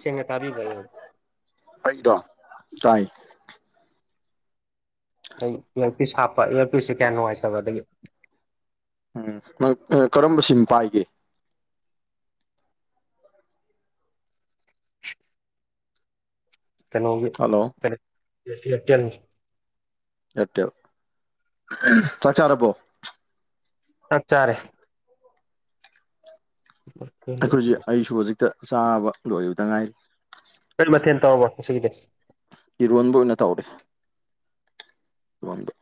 ꯁꯦꯡ ꯉ ꯇꯥꯕꯤꯕ ꯑꯩꯗꯣ ꯇꯥꯏ ꯑꯩ ꯏꯌꯥꯔ ꯄꯤꯁ ꯍꯥꯞꯄ ꯏꯌꯥꯔ ꯄꯤꯁꯁꯦ ꯀꯌꯥ ꯅꯨꯡꯉꯥꯏꯖꯕ ꯑꯗꯒꯤ ꯎꯝ ꯀꯔꯝꯕ ꯁꯤꯝ ꯄꯥꯏꯒꯦ ꯀꯩꯅꯣꯒꯤ ꯍꯜꯂꯣ ꯀꯩꯅ ꯏꯌꯥꯇꯦꯟ ꯑꯦꯌꯔꯇꯦꯜ ꯆꯥꯛ ꯆꯥꯔꯕꯣ ꯆꯥꯛ ꯆꯥꯔꯦ ꯎ [unintelligible] ꯑꯩꯈꯣꯏꯁꯦ ꯑꯩꯁꯨ ꯍꯧꯖꯤꯛꯇ ꯆꯥꯕ ꯂꯣꯏꯕꯗ ꯉꯥꯏꯔꯤ ꯀꯔꯤ ꯑꯣ ꯃꯊꯦꯜ ꯇꯧꯔꯕ ꯉꯁꯤꯒꯤꯗꯤ ꯏꯔꯣꯟꯕ ꯑꯣꯏꯅ ꯇꯧꯔꯦ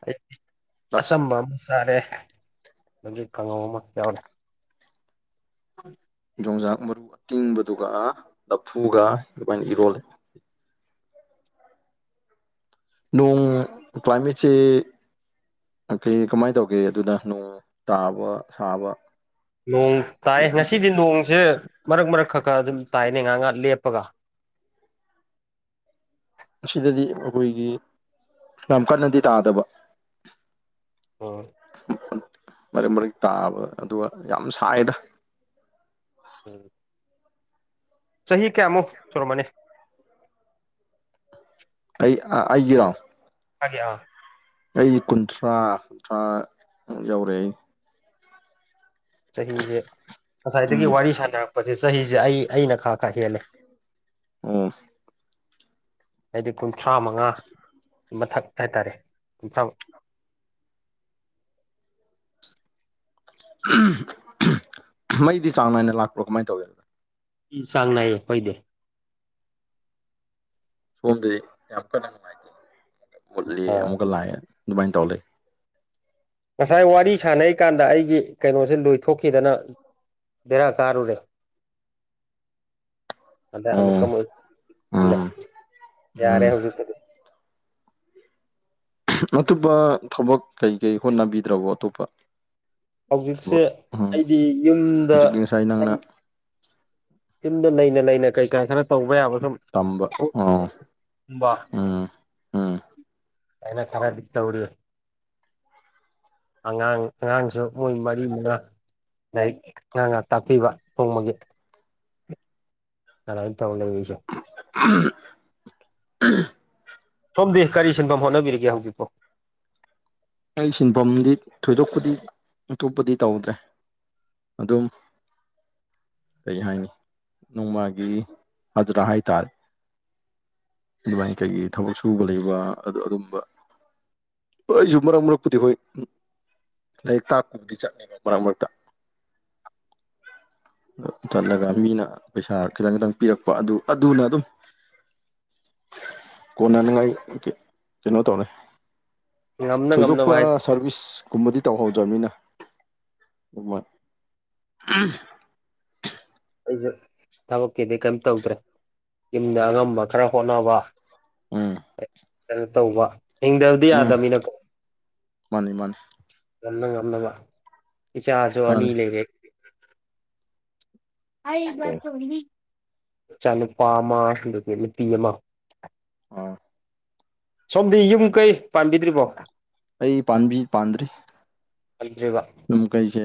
ꯑꯩ ꯂꯞ ꯑꯆꯝꯕ ꯑꯃ ꯆꯥꯔꯦ ꯀꯉꯧ ꯑꯃ ꯌꯥꯎꯔꯦ ꯍ [unintelligible] ꯌꯣꯡꯖꯥꯛ ꯃꯔꯨ ꯑꯇꯤꯡꯕꯗꯨꯒ ꯂꯐꯨꯒ ꯑꯗꯨꯃꯥꯏꯅ ꯏꯔꯣꯜꯂꯦ ꯅꯣꯡ ꯀ꯭ꯂꯥꯏꯃꯦꯠꯁꯦ ꯀꯩ ꯀꯃꯥꯏꯅ ꯇꯧꯒꯦ ꯑꯗꯨꯅ ꯅꯣꯡ ꯇꯥꯕ ꯁꯥꯕ ꯅꯣꯡ ꯇꯥꯏ ꯉꯁꯤꯗꯤ ꯅꯣꯡꯁꯦ ꯃꯔꯛ ꯃꯔꯛ ꯈꯛ ꯈ ꯑꯗꯨꯝ ꯇꯥꯏꯅꯦ ꯉꯍ ꯉꯍꯥꯛ ꯂꯦꯞꯄꯒ ꯑꯁꯤꯗꯗꯤ ꯑꯩꯈꯣꯏꯒꯤ ꯌꯥꯝ ꯀꯟꯅꯗꯤ ꯇꯥꯗꯕ ꯑꯣ ꯃꯔꯛ ꯃꯔꯛ ꯇꯥꯕ ꯑꯗꯨꯒ ꯌꯥꯝ ꯁꯥꯏꯗ ꯎꯝ ꯆꯍꯤ ꯀꯌꯥꯃꯨꯛ ꯁꯨꯔꯝꯃꯅꯤ ꯑꯩ ꯑꯩꯒꯤꯔꯣ ꯑꯦ [unintelligible] ꯑꯩ ꯀꯨꯟꯊ꯭ꯔꯥ ꯀꯨꯟꯊ꯭ꯔꯥ ꯌꯧꯔꯛꯑꯦ ꯑꯩ ꯆꯍꯤꯁꯦ ꯉꯁꯥꯏꯗꯒꯤ ꯎꯝ ꯋꯥꯔꯤ ꯁꯥꯟꯅꯔꯛꯄꯁꯦ ꯆꯍꯤꯁꯦ ꯑꯩ ꯑꯩꯅ ꯈꯥ ꯀꯁꯤ ꯑ ꯂꯩꯦ ꯑꯣ ꯍꯥꯏꯗꯤ ꯀꯨꯟꯊ꯭ꯔꯥ ꯃꯉꯥ ꯃꯊꯛ ꯍꯥꯏꯇꯥꯔꯦ ꯀꯨꯟꯊ꯭ꯔꯥ ꯃꯩꯗꯤ ꯆꯥꯡ ꯅꯥꯏꯅ ꯂꯥꯛꯄ꯭ꯔꯣ ꯀꯃꯥꯏꯅ ꯇꯧꯋꯦꯅ ꯎꯝ ꯆꯥꯡꯅꯥꯏꯌꯦ ꯄꯩꯗꯦ ꯁꯣꯝꯗꯗꯤ ꯌꯥꯝ ꯀꯟꯅ ꯅꯨꯡꯉꯥꯏꯇꯦ ꯃꯨꯂꯤ ꯑꯥ ꯑꯃꯨꯛꯀ ꯂꯥꯛꯑꯦ ꯑꯗꯨꯃꯥꯏꯅ ꯇꯧ ꯂꯩ ꯉꯁꯥꯏ ꯋꯥꯔꯤ ꯁꯥꯟꯅꯩ ꯀꯥꯟꯗ ꯑꯩꯒꯤ ꯀꯩꯅꯣꯁꯦ ꯂꯣꯏꯊꯣꯛꯈꯤꯗꯅ ꯕꯔꯥ ꯀꯥꯔ ꯎꯔꯦ ꯑꯗ ꯑꯣ ꯑꯃꯀ ꯎꯝ ꯑꯦ ꯌꯥꯔꯦ ꯎꯝ ꯍꯧꯖꯤ ꯑꯇꯣꯞꯄ ꯊꯕꯛ ꯀꯩ ꯀꯩ ꯍꯣꯠꯅꯕꯤꯗ꯭ꯔꯕꯣ ꯑꯇꯣꯞꯄ ꯍꯧꯖꯤꯛꯁꯦ ꯊꯕꯛ ꯎꯝ ꯑꯩꯗꯤ ꯌꯨꯝꯗ ꯍꯧꯖꯤꯛꯀꯤ ꯉꯁꯥꯏ ꯅꯪꯅ ꯇꯨꯝꯗ ꯂꯩꯅ ꯂꯩꯅ ꯀꯩꯀꯥ ꯈꯔ ꯇꯧꯕ ꯌꯥꯕ ꯁꯨꯝ ꯇꯝꯕ ꯑꯣ ꯕ ꯎꯝ ꯎꯝ ꯑꯩꯅ ꯈꯔꯗꯤ ꯇꯧꯔꯤ ꯑꯉꯥꯡ ꯑꯉꯥꯡꯁꯨ ꯃꯣꯏ ꯃꯔꯤ ꯃꯉꯥ ꯂꯥꯏꯔꯤꯛ ꯉꯍꯥꯛ ꯉꯥꯏꯍꯥꯛ ꯇꯥꯛꯄꯤꯕ ꯊꯣꯡꯕꯒꯤ ꯅꯥꯟꯥꯏ ꯇꯧꯕꯤꯁ ꯎꯝ [unintelligible] ꯁꯣꯝꯗꯤ ꯀꯔꯤ ꯁꯤꯟꯐꯝ ꯍꯣꯠꯅꯕꯤꯔꯤꯒꯦ ꯍꯧꯖꯤꯛꯄꯣ ꯑꯩ ꯁꯤꯟꯐꯝꯗꯤ ꯊꯣꯏꯗꯣꯛꯄꯨꯗꯤ ꯑꯇꯣꯞꯄꯗꯤ ꯇꯧꯗ꯭ꯔꯦ ꯑꯗꯨꯝ ꯀꯩ ꯍꯥꯏꯅꯤ ꯅꯣꯡꯃꯒꯤ ꯍꯖꯔꯥ ꯍꯥꯏꯇꯥꯔꯦ ꯑꯗꯨꯃꯥꯏꯅ ꯀꯩꯒꯤ ꯊꯕꯛ ꯁꯨꯕ ꯂꯩꯕ ꯑꯗꯨ ꯑꯗꯨꯝꯕꯁꯨ ꯃꯔꯛ ꯃꯔꯛꯄꯨꯗꯤ ꯍꯣꯏ ꯎ ꯂꯥꯏꯔꯤꯛ ꯇꯥꯛꯄꯕꯨꯗꯤ ꯆꯠꯅꯦꯕ ꯃꯔꯛ ꯃꯔꯛꯇ [inaudible] ꯊꯠꯂꯒ ꯃꯤꯅ ꯄꯩꯁꯥ ꯈꯤꯇꯪ ꯈꯤꯇꯪ ꯄꯤꯔꯛꯄ ꯑꯗꯨ ꯑꯗꯨꯅ ꯑꯗꯨꯝ ꯀꯣꯟꯅꯅꯤꯡꯉꯥꯏ ꯀꯩꯅꯣ ꯇꯧꯔ ꯉꯝꯅ ꯉꯝꯅꯕ ꯊꯣꯏꯗꯣꯛꯄ ꯍꯥꯏꯗꯤ ꯁꯥꯔꯚꯤꯁꯀꯨꯝꯕꯗꯤ ꯇꯧꯍꯧꯗꯕꯅꯤꯅ ꯑꯗꯨꯃꯅ ꯑꯩꯁꯦ ꯊꯕꯛꯀꯤꯗꯤ ꯀꯩꯝ ꯇꯧꯗ꯭ꯔꯦ ꯌꯨꯝꯗ ꯑꯉꯝꯕ ꯈꯔ ꯍꯣꯠꯅꯕ ꯎꯝ ꯀꯩꯅꯣ ꯇꯧꯕ ꯍꯤꯡꯗꯕꯗꯤ ꯎꯝ ꯌꯥꯗꯕꯅꯤꯅꯀꯣ ꯃꯥꯅꯤ ꯃꯥꯅꯤ ꯉꯅ ꯉꯝꯅꯕ ꯏꯆꯥꯁꯨ ꯑꯅꯤ ꯃꯥꯅꯤ ꯂꯩꯔꯦ ꯑꯣ ꯆꯆꯥ ꯅꯨꯨꯄꯥ ꯑꯃꯦ ꯅꯨꯄꯤ ꯑꯃ ꯑ ꯁꯣꯝꯗꯤ ꯌꯨꯝ ꯀꯩ ꯄꯥꯝꯕꯤꯗ꯭ꯔꯤꯕꯣ ꯑꯩ ꯄꯥꯕꯤ ꯄꯥꯟꯗ꯭ꯔꯤ ꯄꯥꯟꯗ꯭ꯔꯤꯕ ꯑꯗꯨꯝ ꯀꯩꯁꯦ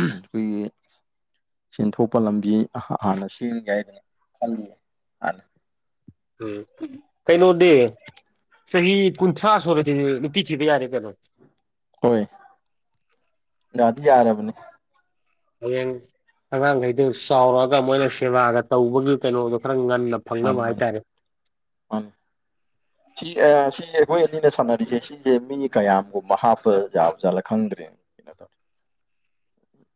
ꯑꯩꯈꯣꯏꯒꯤ ꯁꯦꯟꯊꯣꯛꯄ ꯂꯝꯕꯤ ꯍꯥꯟꯅ ꯁꯦꯝꯒꯦ ꯍꯥꯏꯗꯅ ꯈꯜꯂꯤꯌꯦ ꯍꯥꯟꯅ ꯎꯝ ꯀꯩꯩꯅꯣꯗꯤꯦ ꯆꯍꯤ ꯀꯨꯟꯊ꯭ꯔꯥ ꯁꯨꯔꯗꯤ ꯅꯨꯄꯤ ꯊꯤꯕ ꯌꯥꯔꯦ ꯀꯩꯅꯣ ꯍꯣꯏ ꯌꯥꯗꯤ ꯌꯥꯔꯕꯅꯦ ꯍꯌꯦꯡ ꯑꯉꯥꯡꯈꯩꯗꯨ ꯆꯥꯎꯔꯛꯑꯒ ꯃꯣꯏꯅ ꯁꯦꯕꯥꯒ ꯇꯧꯕꯒꯤ ꯀꯩꯅꯣꯗꯣ ꯈꯔ ꯉꯟꯅ ꯃꯥꯅꯦ ꯐꯪꯅꯕ ꯃꯥꯅꯦ ꯍꯥꯏꯇꯥꯔꯦ ꯃꯥꯅꯦ [inaudible] ꯁꯤ ꯁꯤ ꯑꯩꯈꯣꯏ ꯑꯅꯤꯅ ꯁꯥꯟꯅꯔꯤꯁꯦ ꯁꯤꯁꯦ ꯃꯤ ꯀꯌꯥꯝꯒꯨꯝꯕ ꯍꯥꯞꯄ ꯌꯥꯕꯖꯥꯠꯔ ꯈꯪꯗ꯭ꯔꯦꯅꯦ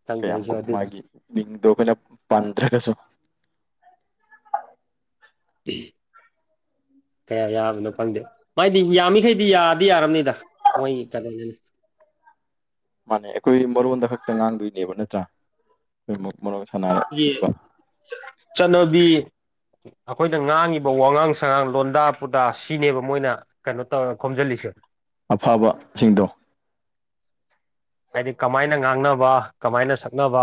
ꯈꯪꯗꯦ ꯑꯩꯁꯨ ꯀꯌꯥꯝꯒꯨꯝ ꯑꯗꯨ ꯃꯥꯒꯤ ꯃꯤꯡꯗꯣ ꯑꯩꯈꯣꯅ ꯄꯥꯟꯊꯗꯔꯒꯖꯨ ꯀꯌꯥ ꯌꯥꯕꯅꯣ ꯈꯪꯗꯦ ꯃꯥꯏꯗꯤ ꯌꯥꯃꯤꯈꯩꯗꯤ ꯌꯥꯗꯤ ꯌꯥꯔꯝꯅꯤꯗ ꯃꯣꯏ ꯀꯔꯤ ꯃꯥꯅꯦ ꯑꯩꯈꯣꯏ ꯃꯔꯣꯟꯗ ꯈꯛꯇ ꯉꯥꯡꯗꯣꯏꯅꯦꯕ ꯅꯠꯇ꯭ꯔꯥ ꯑꯩꯈꯣꯏ ꯃꯔꯣꯟ ꯁꯥꯟꯅꯔ ꯑꯗꯨꯒ ꯆꯠꯅꯕꯤ ꯑꯩꯈꯣꯏꯅ ꯉꯥꯡꯉꯤꯕ ꯋꯥꯉꯥꯡ ꯁꯉꯥꯡ ꯂꯣꯟꯗꯥ ꯄꯨꯗꯥ ꯁꯤꯅꯦꯕ ꯃꯣꯏꯅ ꯀꯩꯅꯣ ꯇꯧꯔ ꯈꯣꯝꯖꯜꯂꯤꯁꯦ ꯑꯐꯕꯁꯤꯡꯗꯣ ꯍꯥꯏꯗꯤ ꯀꯃꯥꯏꯅ ꯉꯥꯡꯅꯕ ꯀꯃꯥꯏꯅ ꯁꯛꯅꯕ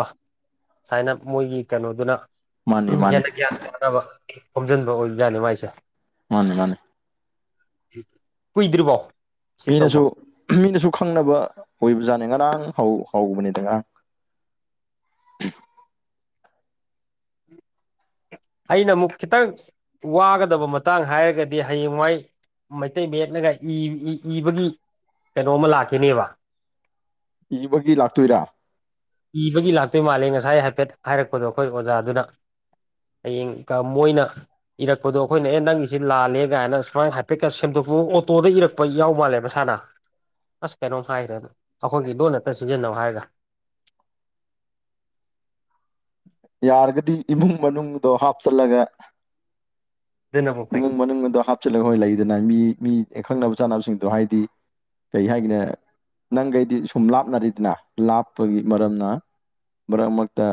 ꯁꯥꯏꯅ ꯃꯣꯏꯒꯤ ꯀꯩꯅꯣꯗꯨꯅ ꯃꯥꯅꯤ ꯎꯝ ꯃꯥꯅꯤ ꯍꯦꯟꯅ ꯒ꯭ꯌꯥꯟ ꯇꯥꯅꯕ ꯈꯣꯝꯖꯤꯟꯕ ꯑꯣꯏꯕ ꯖꯥꯠꯅꯤ ꯃꯥꯏꯁꯦ ꯃꯥꯅꯦ ꯃꯥꯅꯦ ꯀꯨꯏꯗ꯭ꯔꯤꯕꯣ ꯁꯤ ꯃꯤꯅꯁꯨ ꯇꯧꯕ ꯃꯤꯅꯁꯨ ꯈꯪꯅꯕ ꯑꯣꯏꯕꯖꯥꯠꯅꯤ ꯉꯔꯥꯡ ꯍꯧꯕꯅꯤꯗ ꯉꯔꯥꯡ [inaudible] ꯑꯩꯅ ꯑꯃꯨꯛ ꯈꯤꯇꯪ ꯋꯥꯒꯗꯕ ꯃꯇꯥꯡ ꯍꯥꯏꯔꯒꯗꯤ ꯍꯌꯦꯡꯋꯥꯏ ꯃꯩꯇꯩ ꯃꯌꯦꯛꯅꯒ ꯏ ꯏ ꯏꯕꯒꯤ ꯀꯩꯅꯣꯃ ꯂꯥꯛꯈꯤꯅꯦꯕ ꯏꯕꯒꯤ ꯂꯥꯛꯇꯣꯏꯔꯥ ꯏꯕꯒꯤ ꯂꯥꯛꯇꯣꯏ ꯃꯥꯜꯂꯦ ꯉꯁꯥꯏ ꯍꯥꯏꯐꯦꯠ ꯍꯥꯏꯔꯛꯄꯗꯣ ꯑꯩꯈꯣꯏ ꯑꯣꯖꯥꯗꯨꯅ ꯍꯌꯦꯡꯀ ꯃꯣꯏꯅ ꯏꯔꯛꯄꯗꯣ ꯑꯩꯈꯣꯏꯅ ꯑꯦ ꯅꯪꯒꯤꯖꯦ ꯂꯥꯜꯂꯦ ꯀꯥꯏꯅ ꯁꯨꯃꯥꯏꯅ ꯍꯥꯏꯐꯦꯠꯀ ꯁꯦꯝꯗꯣꯛꯄ ꯑꯣꯇꯣꯗ ꯏꯔꯛ ꯄꯣꯏ ꯌꯥꯎ ꯃꯥꯜꯂꯦ ꯃꯁꯥꯅ ꯑꯁ ꯀꯩꯅꯣꯝ ꯍꯥꯏꯈꯔꯦ ꯑꯩꯈꯣꯏꯒꯤ ꯂꯣꯟ ꯉꯛꯇ ꯁꯤꯟꯖꯟꯅꯧ ꯍꯥꯏꯔꯒ ꯌꯥꯔꯒꯗꯤ ꯏꯃꯨꯡ ꯃꯅꯨꯡꯗꯣ ꯍꯥꯞꯆꯜꯂꯒ ꯑꯗꯨꯅꯕꯨ ꯐꯩ ꯏꯃꯨꯡ ꯃꯅꯨꯡ ꯑꯗꯨꯗ ꯍꯥꯞꯆꯤꯜꯂꯒ ꯍꯣꯏ ꯂꯩꯗꯅ ꯃꯤ ꯃꯤ ꯈꯪꯅꯕ ꯆꯥꯅꯕꯁꯤꯡꯗꯣ ꯍꯥꯏꯗꯤ ꯀꯩ ꯍꯥꯏꯒꯅꯤ ꯅꯪꯒ ꯑꯩꯑꯗꯤ ꯁꯨꯝ ꯂꯥꯞꯅꯔꯤꯗꯅ ꯂꯥꯞꯄꯒꯤ ꯃꯔꯝꯅ ꯃꯔꯛ ꯃꯔꯛꯇ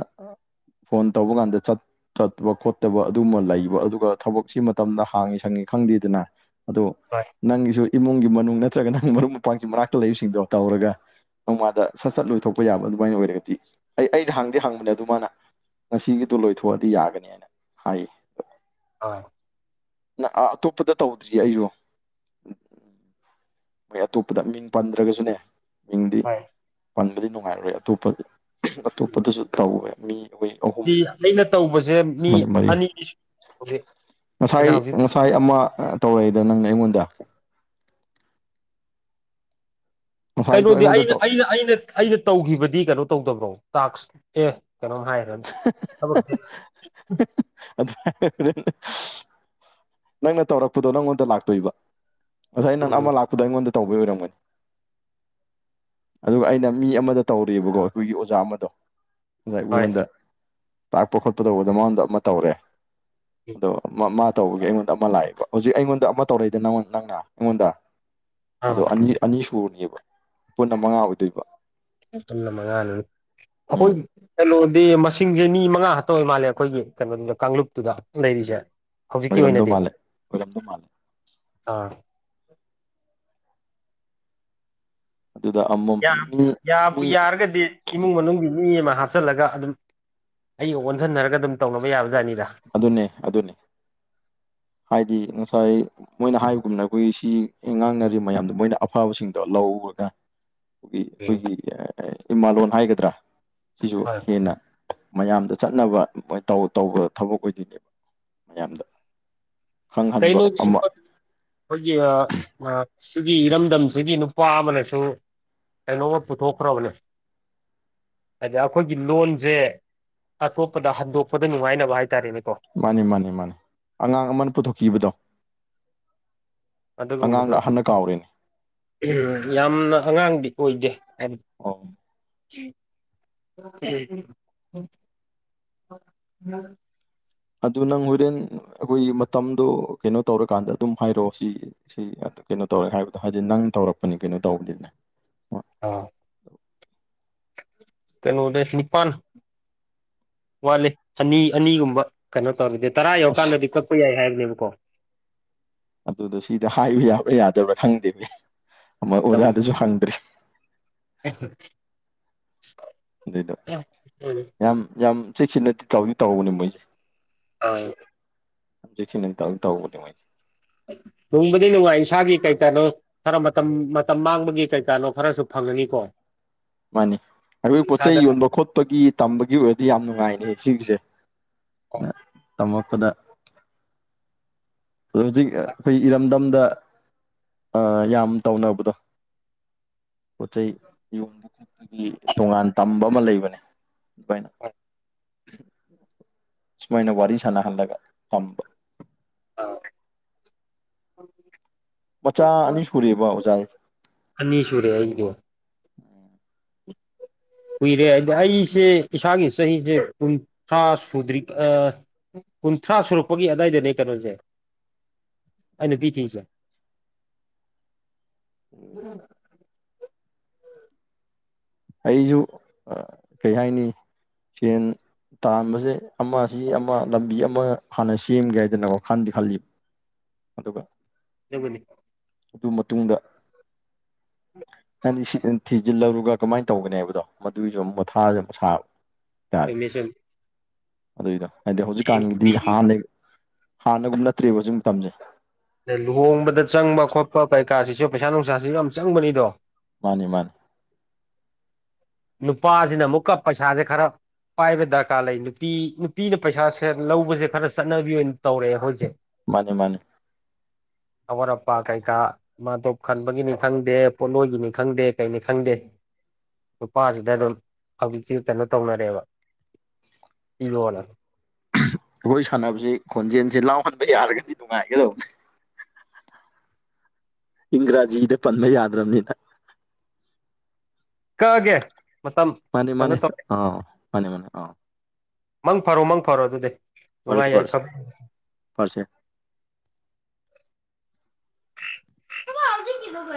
ꯐꯣꯟ ꯇꯧꯕ ꯀꯥꯟꯗ ꯆꯠ ꯆꯠꯄ ꯈꯣꯠꯇꯕ ꯑꯗꯨꯝꯃ ꯂꯩꯕ ꯑꯗꯨꯒ ꯊꯕꯛꯁꯤ ꯃꯇꯝꯗ ꯍꯥꯡꯉꯤ ꯁꯪꯉꯤ ꯈꯪꯗꯦꯗꯅ ꯑꯗꯣ ꯍꯣꯏ ꯅꯪꯒꯤꯁꯨ ꯏꯃꯨꯡꯒꯤ ꯃꯅꯨꯡ ꯅꯠꯇ꯭ꯔꯒ ꯅꯪ ꯃꯔꯨꯞ ꯃꯄꯥꯡꯁꯤꯡ ꯃꯅꯥꯛꯇ ꯂꯩꯕꯁꯤꯡꯗꯣ ꯇꯧꯔꯒ ꯅꯣꯡꯃꯥꯗ ꯁꯠ ꯁꯠ ꯂꯣꯏꯊꯣꯛꯄ ꯌꯥꯕ ꯑꯗꯨꯃꯥꯏꯅ ꯑꯣꯏꯔꯒꯗꯤ ꯑꯩ ꯑꯩꯗꯤ ꯍꯥꯡꯗꯤ ꯍꯥꯡꯕꯅꯦ ꯑꯗꯨ ꯃꯥꯅ ꯉꯁꯤꯒꯤꯗꯣ ꯂꯣꯏꯊꯣꯛꯑꯗꯤ ꯌꯥꯒꯅꯤ ꯍꯥꯏꯅ ꯍꯥꯏꯌꯦ ꯍꯥ ꯅꯥ ꯑꯥ ꯑꯇꯣꯞꯄꯗ ꯇꯧꯗ꯭ꯔꯤꯌꯦ ꯑꯩꯖꯨ ꯃꯣꯏ ꯑꯇꯣꯞꯄꯗ ꯃꯤꯡ ꯄꯟꯗ꯭ꯔꯒꯁꯨꯅꯦ ꯃꯤꯡꯗꯤ ꯍꯣꯏ ꯄꯟꯕꯗꯤ ꯅꯨꯡꯉꯥꯏꯔꯣꯏ ꯑꯇꯣꯞꯄ ꯑꯇꯣꯞꯄꯗꯁꯨ ꯇꯧꯋꯦ ꯃꯤ ꯑꯣꯏ [unintelligible] ꯑꯩꯅ ꯇꯧꯕꯁꯦ ꯃꯤ ꯑꯅꯤꯗꯤꯁꯨꯂꯦ ꯍꯧꯖꯤꯛ ꯑꯩꯅ ꯉꯁꯥꯏ ꯍꯧꯖꯤꯛ ꯉꯁꯥꯏ ꯑꯃ ꯇꯧꯔꯛꯏꯗꯅ ꯅꯪꯅ ꯑꯩꯉꯣꯟꯗ ꯉꯁꯥꯏꯗꯣ ꯀꯩꯅꯣꯗꯤ ꯑꯩꯉꯣꯟꯗ ꯑꯩꯅ ꯇꯧ ꯑꯩꯅ ꯑꯩꯅ ꯑꯩꯅ ꯇꯧꯈꯤꯕꯗꯤ ꯀꯩꯅꯣ ꯇꯧꯗꯕ꯭ꯔꯣ ꯇꯥꯛꯁ ꯑꯦ ꯀꯩꯅꯣꯝ ꯍꯥꯏꯔꯦ ꯊꯕꯛꯁꯦ [unintelligible] ꯅꯪꯅ ꯇꯧꯔꯛꯄꯗꯣ ꯅꯪꯉꯣꯟꯗ ꯂꯥꯛꯇꯣꯏꯕ ꯉꯁꯥꯏ ꯅꯪ ꯎꯝ ꯑꯃ ꯂꯥꯛꯄꯗꯣ ꯑꯩꯉꯣꯟꯗ ꯇꯧꯕꯩ ꯑꯣꯏꯔꯝꯒꯅꯤ ꯑꯗꯨꯒ ꯑꯩꯅ ꯃꯤ ꯑꯃꯗ ꯇꯧꯔꯤꯌꯦꯕꯀꯣ ꯑꯩꯈꯣꯏꯒꯤ ꯑꯣꯖꯥ ꯑꯃꯗꯣ ꯑꯣꯖꯥ ꯍꯣꯏ ꯏꯕꯣꯍꯟꯗ ꯇꯥꯛꯄ ꯈꯣꯠꯄ ꯇꯧꯕꯗ ꯃꯥꯡꯗꯣ ꯑꯃ ꯇꯧꯔꯦ ꯑꯗꯣ ꯇꯧꯕꯒꯤ ꯑꯩꯉꯣꯟꯗ ꯑꯃ ꯂꯥꯛꯑꯦꯕ ꯍꯧꯖꯤꯛ ꯑꯩꯉꯣꯟꯗ ꯑꯃ ꯇꯧꯔꯛꯏꯗ ꯅꯪꯅ ꯑꯩꯉꯣꯟꯗ ꯑꯗꯣ ꯑꯥ ꯑꯅꯤ ꯑꯅꯤ ꯁꯨꯔꯤꯕ ꯄꯨꯟꯅ ꯃꯪꯉꯥ ꯑꯣꯏꯗꯣꯏꯕ ꯄꯨꯟꯅ ꯃꯪꯉꯥꯅꯤꯅꯦ ꯎꯝ ꯑꯩꯈꯣꯏꯒꯤ ꯀꯩꯅꫭꯗꯤ ꯃꯁꯤꯡꯖꯩ ꯃꯤ ꯃꯪꯉꯥ ꯈꯠꯇ ꯑꫭꯏ ꯃꯥꯜꯂꯦ ꯑꯩꯈꯣꯏꯒꯤ ꯀꯩꯅꯣꯗꯨꯗ ꯀꯥꯡꯂꯨꯞꯇꯨꯗ ꯂꯩꯔꯤꯁꯦ ꯍꯧꯖꯤꯛꯀꯤ ꯑꯣꯏꯔꯝꯗꯧ ꯑꯣꯏꯅꯗꯤ ꯃꯥꯜꯂꯦ ꯑꯣꯏꯔꯝꯗꯧ ꯃꯥꯜꯂꯦ ꯑꯥ ꯑꯗꯨꯗ ꯑꯃꯨꯛ ꯌꯥꯝ ꯌꯥꯕꯨ ꯌꯥꯔꯒꯗꯤ ꯏꯃꯨꯡ ꯃꯅꯨꯡꯒꯤ ꯃꯤ ꯑꯃ ꯍꯥꯞꯆꯜꯂꯒ ꯑꯗꯨꯝ ꯑꯩꯒ ꯑꯣꯟꯖꯟꯅꯔꯒ ꯑꯗꯨꯝ ꯇꯧꯅꯕ ꯌꯥꯕꯖꯥꯠꯅꯤꯗ ꯑꯗꯨꯅꯦ ꯑꯗꯨꯅꯦ ꯍꯥꯏꯗꯤ ꯉꯁꯥꯏ ꯃꯣꯏꯅ ꯍꯥꯏꯕꯒꯨꯝꯅ ꯑꯩꯈꯣꯏꯒꯤ ꯁꯤ ꯉꯥꯡꯅꯔꯤꯕ ꯃꯌꯥꯝꯗꯣ ꯃꯣꯏꯅ ꯑꯐꯕꯁꯤꯡꯗꯣ ꯂꯧꯔꯒ ꯑꯩꯈꫭꯏꯒꯤ ꯑꯩꯈꯣꯏꯒꯤ ꯏꯃꯥꯂꯣꯟ ꯍꯥꯏꯒꯗ꯭ꯔꯥ ꯁꯤꯁꯨ ꯍꯦꯟꯅ ꯃꯌꯥꯝꯗ ꯆꯠꯅꯕ ꯇꯧꯕ ꯊꯕꯛ ꯑꯣꯏꯗꯣꯏꯅꯦꯕ ꯃꯌꯥꯝꯗ ꯈꯪꯍꯟꯕ ꯀꯩꯅ [unintelligible] ꯑꯃ ꯑꯩꯈꯣꯏꯒꯤ ꯑ ꯁꯤꯒꯤ ꯏꯔꯝꯗꯝꯁꯤꯒꯤ ꯅꯨꯄꯥ ꯑꯃꯅꯁꯨ ꯀꯩꯅꯣꯃ ꯄꯨꯊꯣꯛꯈ꯭ꯔꯕꯅꯦ ꯍꯥꯏꯗꯤ ꯑꯩꯈꯣꯏꯒꯤ ꯂꯣꯟꯖꯦ ꯑꯇꯣꯞꯄꯗ ꯍꯟꯗꯣꯛꯄꯗ ꯅꯨꯡꯉꯥꯏꯅꯕ ꯍꯥꯏꯇꯥꯔꯦꯅꯦꯀꯣ ꯃꯥꯅꯤ ꯃꯥꯅꯤ ꯃꯥꯅꯤ ꯑꯉꯥꯡ ꯑꯃꯅ ꯄꯨꯊꯣꯛꯈꯤꯕꯗꯣ ꯑꯗꯨꯒꯨꯝꯕꯗꯣ ꯑꯉꯥꯡꯅ ꯑꯍꯟꯅ ꯀꯥꯎꯔꯦꯅꯦ ꯌꯥꯝꯅ ꯑꯉꯥꯡꯗꯤ ꯑꯣꯏꯗꯦ ꯑꯣ [unintelligible] [unintelligible] ꯑꯗꯨ ꯅꯪ ꯍꯣꯔꯦꯟ ꯑꯩꯈꯣꯏꯒꯤ ꯃꯇꯝꯗꯣ ꯀꯩꯅꯣ ꯇꯧꯔꯀꯥꯟꯗ ꯑꯗꯨꯝ ꯍꯥꯏꯔꯛꯑꯣ ꯁꯤ ꯁꯤ ꯀꯩꯅꯣ ꯇꯧꯋꯩ ꯍꯥꯏꯕꯗꯣ ꯍꯥꯏꯗꯤ ꯅꯪ ꯇꯧꯔꯛꯄꯅꯤ ꯀꯩꯅꯣ ꯇꯧꯕꯅꯤꯅꯦ ꯑꯥ ꯀꯩꯅꯣꯗꯩ ꯅꯤꯄꯥꯟ ꯋꯥꯠꯂꯤ ꯑꯅꯤ ꯑꯅꯤꯒꯨꯝꯕ ꯀꯩꯅꯣ ꯇꯧꯔꯗꯤ ꯇꯔꯥ ꯑꯁ ꯌꯧꯔꯀꯥꯟꯗꯗꯤ ꯀꯛꯄ ꯌꯥꯏ ꯍꯥꯏꯕꯅꯦꯕꯀꯣ ꯑꯗꯨꯗꯣ ꯁꯤꯗ ꯍꯥꯏꯕ ꯌꯥꯕ꯭ꯔꯥ ꯌꯥꯗꯕ꯭ꯔꯥ ꯈꯪꯗꯦꯅꯦ ꯑꯃ ꯑ ꯑꯣꯖꯥꯗꯁꯨ ꯍꯪꯗ꯭ꯔꯤ [unintelligible] ꯑꯗꯨꯏꯗꯣ ꯌꯥꯝ ꯌꯥꯝ ꯆꯦꯛꯁꯤꯟꯅꯗ ꯇꯧꯗꯤ ꯇꯧꯕꯅꯦ ꯃꯣꯏꯁꯦ ꯑ ꯌꯥꯝ ꯆꯦꯛꯁꯤꯟꯅ ꯇꯧꯗꯤ ꯇꯧꯕꯅꯦ ꯃꫭꯏꯁꯦ ꯅꯨꯡꯕꯨꯗꯤ ꯅꯨꯡꯉꯥꯏ ꯏꯁꯥꯒꯤ ꯀꯩꯀꯥꯗꫭ ꯈꯔ ꯃꯇꯝ ꯃꯇꯝ ꯃꯥꯡꯕꯒꯤ ꯀꯩꯀꯥꯅꯣ ꯈꯔꯁꯨ ꯐꯪꯉꯅꯤꯀꯣ ꯃꯥꯅꯤ ꯑꯩꯈꯣꯏ ꯄꯣꯠ ꯏꯁꯥꯗ ꯆꯩꯩ ꯌꯣꯟꯕ ꯈꯣꯠꯄꯒꯤ ꯇꯝꯕꯒꯤ ꯑꯣꯏꯔꯗꯤ ꯌꯥꯝ ꯅꯨꯡꯉꯥꯏꯅꯤ ꯁꯤꯒꯤꯁꯦ ꯑ ꯇꯝꯃꯛꯄꯗ ꯑꯗꯨ ꯍꯧꯖꯤꯛ ꯑꯩꯈꯣꯏ ꯏꯔꯝꯗꯝꯗ ꯑ ꯌꯥꯝ ꯇꯧꯅꯕꯗꯣ ꯄꯣꯠ ꯆꯩꯩ ꯌꯣꯟꯕ ꯈꯣꯠꯄꯒꯤ ꯇꯣꯉꯥꯟ ꯇꯝꯕ ꯑꯃ ꯂꯩꯕꯅꯦ ꯑꯗꯨꯃꯥꯏꯅ ꯁꯨꯃꯥꯏꯅ ꯋꯥꯔꯤ ꯁꯥꯟꯅꯍꯜꯂꯒ ꯊꯝꯕ ꯑꯥ ꯃꯆꯥ ꯑꯅꯤ ꯁꯨꯔꯦꯕꯥ ꯑꯣꯖꯥꯏ ꯑꯅꯤꯁꯨꯔꯦ ꯑꯩꯒꯤꯗꯤ ꯀꯨꯏꯔꯦ ꯑꯗꯣ ꯑꯩꯁꯦ ꯏꯁꯥꯒꯤ ꯆꯍꯤꯁꯦ ꯀꯨꯟꯊ꯭ꯔꯥ ꯁꯨꯗ꯭ꯔꯤ ꯑꯥ ꯀꯨꯟꯊ꯭ꯔꯥ ꯁꯨꯔꯛꯄꯒꯤ ꯑꯗꯥꯏꯗꯅꯦ ꯀꯩꯅꯣꯖꯦ ꯑꯩ ꯅꯨꯄꯤ ꯊꯤꯁꯦ [unintelligible] ꯑꯩꯖꯨ ꯀꯩ ꯍꯥꯏꯅꯤ ꯁꯦꯟ ꯇꯥꯟꯕꯖꯦ ꯑꯃꯁꯤ ꯑꯃ ꯂꯝꯕꯤ ꯑꯃ ꯍꯥꯟꯅ ꯁꯦꯝꯒꯦ ꯍꯥꯏꯗꯅ ꯋꯥꯈꯟꯗꯤ ꯈꯜꯂꯤꯕ ꯑꯗꯨꯒ ꯌꯧꯉꯅꯤ ꯑꯗꯨ ꯃꯇꯨꯡꯗ ꯑꯩꯗꯤꯁꯤꯇꯪ ꯊꯤꯖꯤꯜꯍꯧꯔꯒ ꯀꯃꯥꯏ ꯇꯧꯒꯅꯤ ꯍꯥꯏꯕꯗꯣ ꯃꯗꯨꯒꯤꯖꯨ ꯑꯃꯨꯛ ꯃꯊꯥ ꯁꯥꯕ ꯇꯦꯛꯅꯤꯁꯦꯝ ꯑꯗꯨꯏꯗ ꯍꯥꯏꯗꯤ ꯍꯧꯖꯤꯛꯀꯥꯟꯒꯤꯗꯤ ꯍꯥꯟꯅ ꯍꯥꯟꯅꯒꯨꯝ ꯅꯠꯇ꯭ꯔꯦꯕ ꯁꯤ ꯃꯇꯝꯁꯦ ꯑꯗ ꯂꯨꯍꯣꯡꯕꯗ ꯆꯪꯕ ꯈꯣꯠꯄ ꯀꯩ ꯀꯥꯁꯤꯁꯨ ꯄꯩꯁꯥ ꯅꯨꯡꯁꯥꯁꯤꯁꯨ ꯌꯥꯝ ꯆꯪꯕꯅꯤꯗꯣ ꯃꯥꯅꯤ ꯃꯥꯅꯤ ꯅꯨꯄꯥꯁꯤꯅ ꯑꯃꯨꯛꯀ ꯄꯩꯁꯥꯁꯦ ꯈꯔ ꯄꯥꯏꯕ ꯗꯔꯀꯥꯔ ꯂꯩ ꯅꯨꯄꯤ ꯅꯨꯄꯤꯅ ꯄꯩꯁꯥꯁꯦ ꯂꯧꯕꯁꯦ ꯈꯔ ꯆꯠꯅꯕꯤ ꯑꯣꯏꯅ ꯇꯧꯔꯛꯑꯦ ꯍꯥꯑꯣꯖꯤꯀ ꯃꯥꯅꯦ ꯃꯥꯅꯦ ꯑꯔꯄꯥ ꯀꯩ ꯀꯥ ꯃꯥꯇꯣꯞ ꯈꯟꯕꯒꯤꯅꯤ ꯈꯪꯗꯦ ꯄꯣꯠꯂꯣꯏꯒꯤꯅꯤ ꯈꯪꯗꯦ ꯀꯩꯅꯤ ꯈꯪꯗꯦ꯫ ꯅꯨꯄꯥꯁꯤꯗ ꯑꯗꯨꯝ ꯍꯧꯖꯤꯛꯇꯤ ꯀꯩꯅꯣ ꯇꯧꯅꯔꯦꯕ ꯄꯤꯔꯣꯅꯥ ꯑꯩꯈꯣꯏ ꯁꯥꯟꯅꯕꯁꯤ ꯈꯣꯟꯖꯦꯜꯁꯦ ꯂꯥꯎꯍꯟꯕ ꯌꯥꯔꯒꯗꯤ ꯅꯨꯡꯉꯥꯏꯒꯗꯧꯕꯅꯦ꯫ ꯏꯪꯒ꯭ꯔꯥꯖꯤꯗ ꯄꯟꯕ ꯌꯥꯗ꯭ꯔꯕꯅꯤꯅ ꯀꯥꯛꯑꯒꯦ꯫ ꯃꯥꯅꯤ ꯃꯥꯅꯤ ꯑ ꯃꯥꯅꯤ ꯃꯥꯅꯦ ꯑ ꯃꯪ ꯐꯔꯣ ꯃꯪ ꯐꯔꯣ ꯑꯗꯨꯗꯤ ꯅꯨꯡꯉꯥꯏ ꯄꯔꯁ ꯄꯔꯁ ꯌꯥꯏꯐꯕ ꯑꯣꯏꯔꯁꯤ ꯄꯔꯁꯦ ꯀꯩꯗꯧꯕꯩ